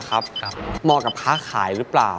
เหมาะกับค้าขายหรือเปล่า